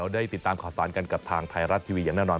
ได้ติดตามข่าวสารกันกับทางไทยรัฐทีวีอย่างแน่นอน